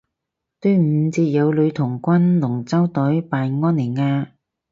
端午節有女童軍龍舟隊扮安妮亞